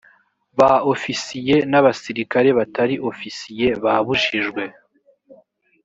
ba ofisiye n abasirikare batari ofisiye babujijwe